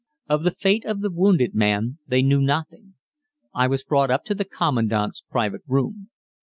Of the fate of the wounded man they knew nothing. I was brought up to the Commandant's private room.